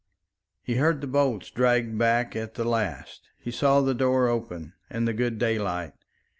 He heard the bolts dragged back at the last; he saw the door open and the good daylight.